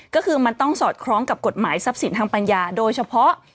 ก็คือมันต้องสอดคล้องกับกฎหมายทรัพย์สินทางปัญญาโดยเฉพาะ